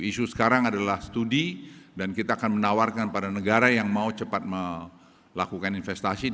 isu sekarang adalah studi dan kita akan menawarkan pada negara yang mau cepat melakukan investasi